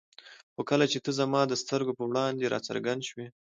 خو کله چې ته زما د سترګو په وړاندې را څرګند شوې.